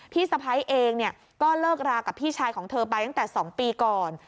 สะพ้ายเองก็เลิกรากับพี่ชายของเธอไปตั้งแต่๒ปีก่อน